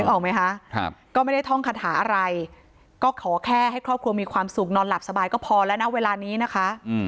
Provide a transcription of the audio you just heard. ออกไหมคะก็ไม่ได้ท่องคาถาอะไรก็ขอแค่ให้ครอบครัวมีความสุขนอนหลับสบายก็พอแล้วนะเวลานี้นะคะ